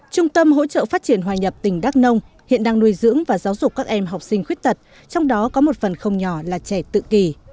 trung tâm hỗ trợ phát triển hoài nhập tỉnh đắk nông hiện đang nuôi dưỡng và giáo dục các em học sinh khuyết tật trong đó có một phần không nhỏ là trẻ tự kỳ